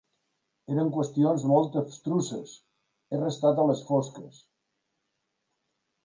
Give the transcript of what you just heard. Eren qüestions molt abstruses: he restat a les fosques.